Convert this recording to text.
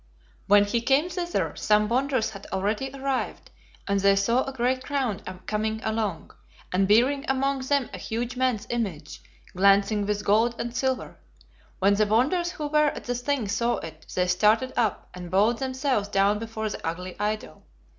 When he came thither, some Bonders had already arrived, and they saw a great crowd coming along, and bearing among them a huge man's image, glancing with gold and silver. When the Bonders who were at the Thing saw it, they started up, and bowed themselves down before the ugly idol.